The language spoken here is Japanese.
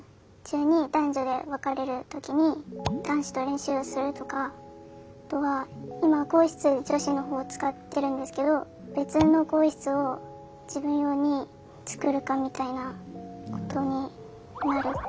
男子と練習をするとかあとは今更衣室女子の方を使ってるんですけど別の更衣室を自分用につくるかみたいなことになるかなと。